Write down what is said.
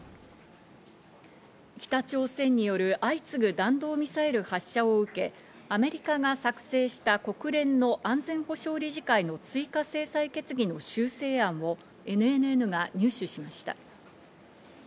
北朝鮮による相次ぐ弾道ミサイル発射を受け、アメリカが作成した国連の安全保障理事会の追加制裁決議の修正案をＮＮＮが入手しました。